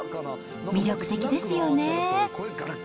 魅力的ですよね。